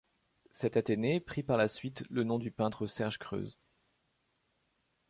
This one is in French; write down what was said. Cet athénée prit par la suite le nom du peintre Serge Creuz.